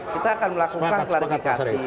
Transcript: kita akan melakukan klarifikasi